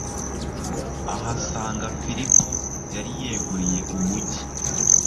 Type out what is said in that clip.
ahasanga filipo yari yeguriye umugi